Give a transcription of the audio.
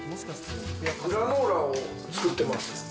グラノーラを作ってます。